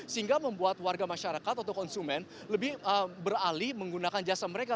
sehingga membuat warga masyarakat atau konsumen lebih beralih menggunakan jasa mereka